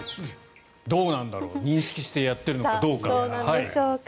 どうなんだろう認識やっているのかどうか。